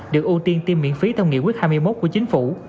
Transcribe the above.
được ưu tiên tiêm miễn phí theo nghị quyết hai mươi một của chính phủ